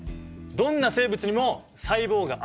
どんな生物にも細胞がある！